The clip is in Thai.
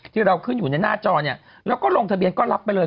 ที่เราขึ้นอยู่ในหน้าจอเนี่ยแล้วก็ลงทะเบียนก็รับไปเลย